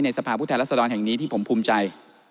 ในสภาพุทธแหละสะดอนแห่งนี้ที่ผมภูมิใจ